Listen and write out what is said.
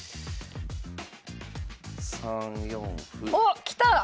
おっきた！